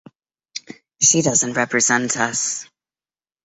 She doesn't represent us.